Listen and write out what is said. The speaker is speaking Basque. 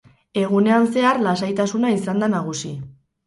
Egunean zehar lasaitasuna izan da nagusi.